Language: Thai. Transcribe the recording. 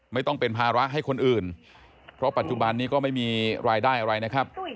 ไม่ต้องเป็นภาระให้คนอื่นเพราะปัจจุบันนี้ก็ไม่มีรายได้อะไรนะครับ